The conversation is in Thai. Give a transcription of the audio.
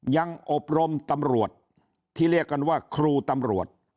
อบรมตำรวจที่เรียกกันว่าครูตำรวจ